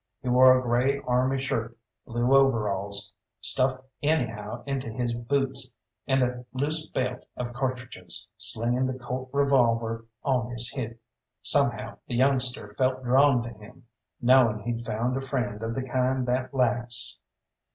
He wore a grey army shirt, blue overalls, stuffed anyhow into his boots, and a loose belt of cartridges, slinging the Colt revolver on his hip. Somehow the youngster felt drawn to him, knowing he'd found a friend of the kind that lasts.